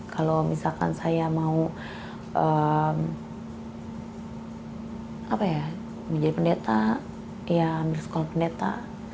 kalau misalkan saya mau menjadi pendeta ya ambil sekolah pendeta